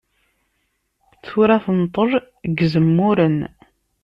Tura tenṭel deg Zemmuren.